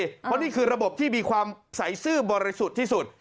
เพราะนี่คือระบบที่มีความใส่ซื่อบริสุทธิ์ที่สุด